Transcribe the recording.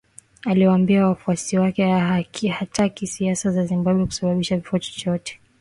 Aliwaambia wafuasi wake hataki siasa za Zimbabwe kusababisha kifo chochote